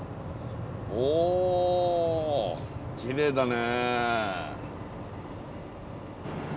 おきれいだね。